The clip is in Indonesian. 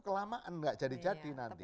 kelamaan enggak jadi jadi nanti